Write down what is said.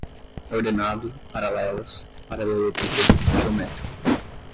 ordenado, paralelas, paralelepípedo, geométrico